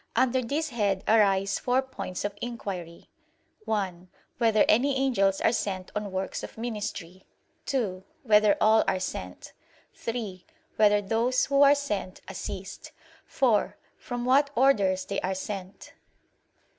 Under this head arise four points of inquiry: (1) Whether any angels are sent on works of ministry? (2) Whether all are sent? (3) Whether those who are sent, assist? (4) From what orders they are sent.